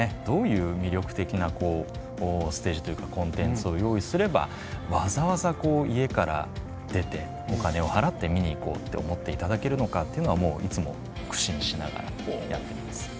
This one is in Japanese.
どういう魅力的なこうステージというかコンテンツを用意すればわざわざこう家から出てお金をはらって見に行こうって思っていただけるのかっていうのはもういつも苦心しながらやってます。